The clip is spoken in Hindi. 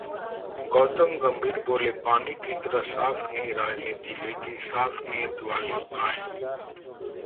गौतम गंभीर बोले- पानी की तरह साफ नहीं 'राजनीति', लेकिन साफ नीयत वाले आएं